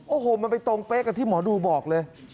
โอ้โหมันไปตรงเป๊ะกับที่หมอดูบอกเลย